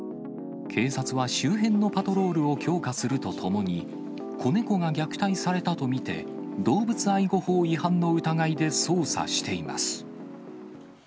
警察は周辺のパトロールを強化するとともに、子猫が虐待されたと見て、動物愛護法違反の疑いで捜査しています。